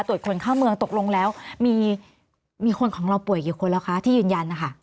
ตรวจคนเข้าเมืองตกลงแล้วมีคนของเราป่วยกี่คนแล้วคะที่ยืนยันนะคะ